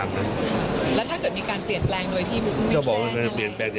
ไม่มีการเปลี่ยนแปลงตำแหน่งอะไร